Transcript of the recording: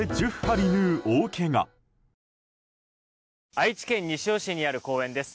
愛知県西尾市にある公園です。